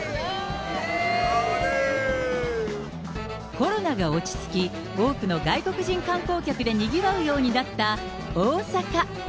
コロナが落ち着き、多くの外国人観光客でにぎわうようになった大阪。